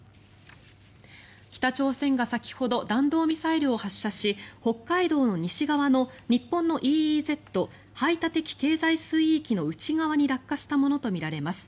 北朝鮮が先ほど弾道ミサイルを発射し北海道の西側の、日本のＥＥＺ・排他的経済水域の内側に落下したものとみられます。